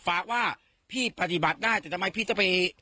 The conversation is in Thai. ฟ้าว่าพี่ปฏิบัติได้แต่ทำไมพี่จะไป